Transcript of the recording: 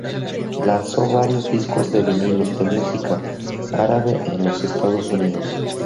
Lanzó varios discos de vinilos de música árabe en los Estados Unidos.